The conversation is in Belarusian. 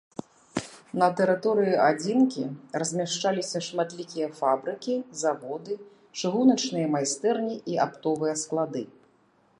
На тэрыторыі адзінкі размяшчаліся шматлікія фабрыкі, заводы, чыгуначныя майстэрні і аптовыя склады.